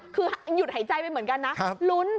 คือหยุดหายใจไปเหมือนกันนะลุ้น